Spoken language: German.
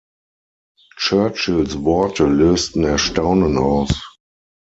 Churchills Worte lösten Erstaunen aus.